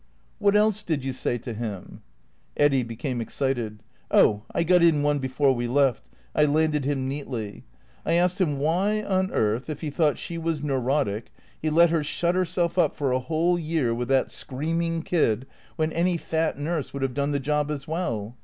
" What else did you say to him? " Eddy became excited. " Oh — I got in one before we left — I landed him neatly. I asked him why on earth — if he thought she was neurotic — he let her shut herself up for a whole year with that screaming kid, when any fat nurse would have done the job as well?